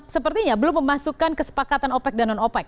sepertinya belum memasukkan kesepakatan opec dan non opec